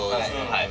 はい。